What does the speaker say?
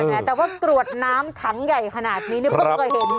นี่แหละไงแต่ว่าตรวจน้ำถังใหญ่ขนาดนี้เนี่ยเพิ่งเคยเห็น